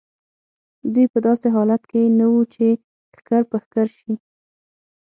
دوی په داسې حالت کې نه وو چې ښکر په ښکر شي.